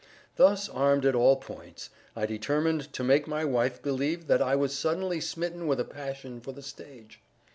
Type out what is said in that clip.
Thus armed at all points, I determined to make my wife believe that I was suddenly smitten with a passion for the stage.